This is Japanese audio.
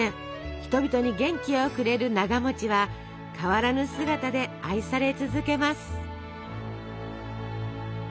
人々に元気をくれるながは変わらぬ姿で愛され続けます。